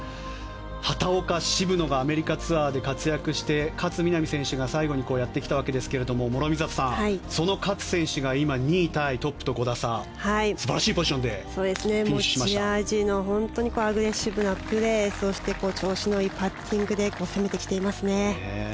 畑岡、渋野がアメリカツアーで活躍して勝みなみ選手が最後にやってきたわけですけれども諸見里さんその勝選手が２位タイトップと５打差素晴らしいポジションでアグレッシブなプレーそして調子のいいパッティングで攻めてきていますね。